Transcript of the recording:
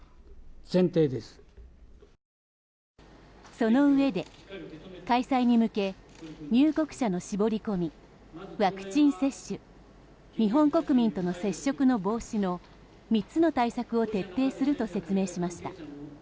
そのうえで開催に向け入国者の絞り込みワクチン接種日本国民との接触の防止の３つの対策を徹底すると説明しました。